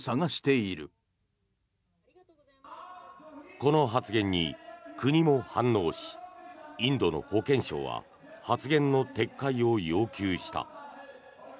この発言に国も反応しインドの保健相は発言の撤回を要求した。